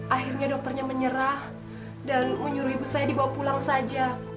akhirnya dokternya menyerah dan menyuruh ibu saya dibawa pulang saja